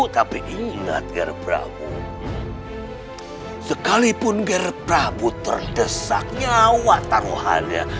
tapi ingat ger prabu sekalipun ger prabu terdesak nyawa taruhannya